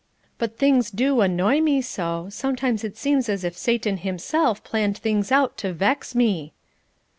But things do annoy me so, sometimes it seems as if Satan himself planned things out to vex me.